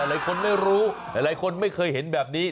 หลายคนไม่รู้หลายคนไม่เคยเห็นแบบนี้